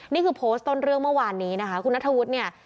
นี่คือโพสต์ต้นเรื่องเมื่อวานนี้นะคะคุณนัทธวุฒิเนี่ย